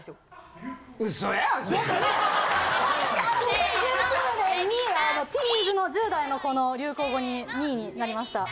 ２０１９年にティーンズの１０代の子の流行語に２位になりました。